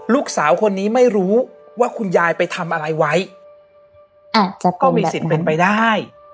ลูกสาวคนนี้ไม่รู้ว่าคุณยายไปทำอะไรไว้ก็มีสิทธิ์เป็นไปได้